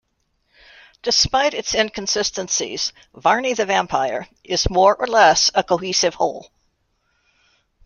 Despite its inconsistencies, "Varney the Vampire" is more or less a cohesive whole.